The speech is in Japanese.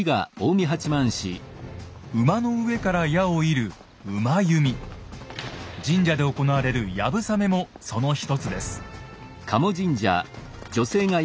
馬の上から矢を射る神社で行われる「流鏑馬」もその一つです。